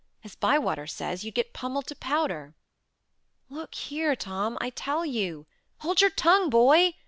As Bywater says, you'd get pummelled to powder." "Look here, Tom. I tell you " "Hold your tongue, boy!"